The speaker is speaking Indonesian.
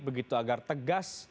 begitu agar tegas